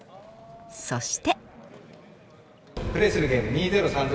そして。